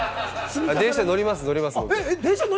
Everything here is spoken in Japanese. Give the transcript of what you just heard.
電車乗ります、乗ります。